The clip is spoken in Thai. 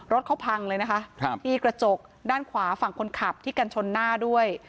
รถเขาพังเลยนะคะที่กระจกด้านขวาฝั่งคนขับที่กันชนหน้าด้วย